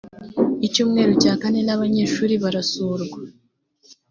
icyumweru cya kane n’abanyeshuri barasurwa